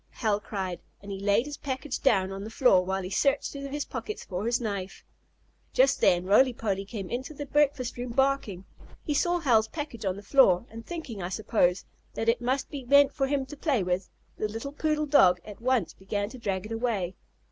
Hal cried, and he laid his package down on the floor, while he searched through his pockets for his knife. Just then Roly Poly came into the breakfast room, barking. He saw Hal's package on the floor, and, thinking, I suppose, that it must be meant for him to play with, the little poodle dog at once began to drag it away.